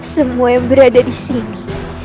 semua yang berada di sini